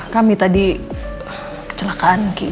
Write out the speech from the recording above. kami tadi kecelakaan ki